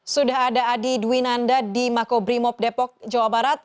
sudah ada adi dwinanda di makobrimob depok jawa barat